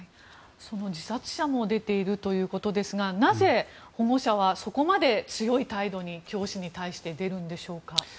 自殺者も出ているということですがなぜ保護者はそこまで強い態度に教師に対して出るんでしょうか？